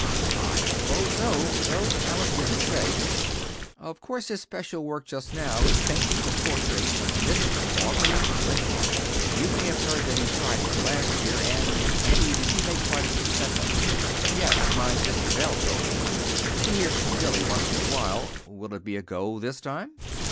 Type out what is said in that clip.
"I suppose so, though Alice didn't say. Of course his special work just now is painting the portrait of Miss Marguerite Winthrop. You may have heard that he tried it last year and and didn't make quite a success of it." "Yes. My sister Belle told me. She hears from Billy once in a while. Will it be a go, this time?"